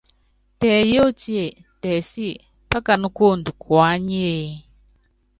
Tɛ yóótíe, tɛ sí, pákaná kuondo kuányíe ?